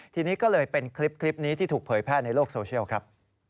ทีนี้ก็เลยเป็นคลิปนี้ที่ถูกเผยแพร่ในโลกโซเชียลครับ